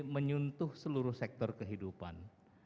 menyuntuh seluruh sektor kehidupan